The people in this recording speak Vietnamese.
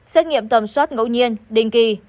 xét nghiệm tầm soát ngẫu nhiên đình kỳ